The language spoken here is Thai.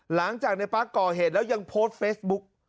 หลังจากในปั๊กก่อเหตุแล้วยังโพสต์เฟซบุ๊ก